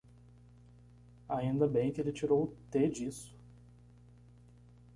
Ainda bem que ele tirou o "T" disso.